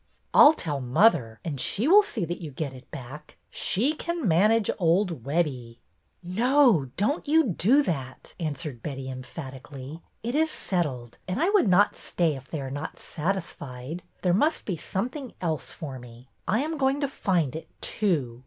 " I 'll tell mother, and she will see that you get it back. She can manage old Webbie." " No, don't you do that," answered Betty, emphatically. " It is settled, and I would not stay if they are not satisfied. There must be something else for me. I am going to find it, too."